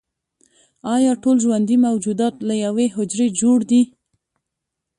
ایا ټول ژوندي موجودات له یوې حجرې جوړ دي